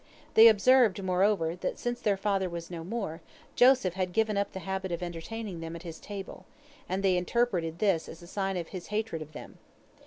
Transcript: They observed, moreover, that since their father was no more, Joseph had given up the habit of entertaining them at his table, and they interpreted this as a sign of his hatred of them.